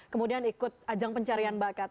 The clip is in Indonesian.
kemudian ikut ajang pencarian bakat